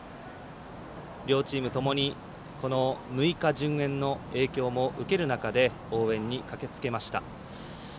両チームともに、この６日順延の影響も受ける中で応援に駆けつけました。